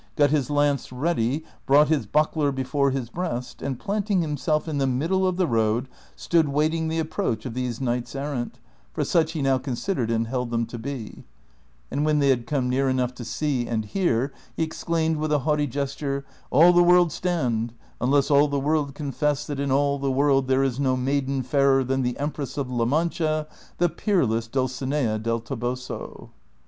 got his lance ready, brouglit his buckler before his breast, and planting himself in the middle of the road, stood waiting the approach of these knights errant, for siich he now considered and held them to be ; and when they had come near enough to see and hear, he exclaimed with a haughty gesture, " All the world stand, unless all the world confess that in all the world there is no maiden fairer than the Empress of La Mancha, the peerless Dulcinea del Toboso."